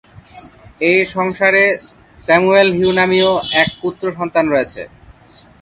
এ সংসারে Samuel Hugh নামীয় এক পুত্র সন্তান রয়েছে।